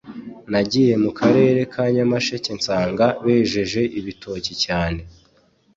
Nagiye mukarere ka Nyamasheke nsanga bejeje ibitoki cyane